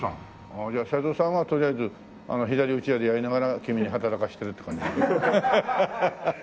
ああじゃあ社長さんはとりあえず左うちわでやりながら君に働かせてるって感じ。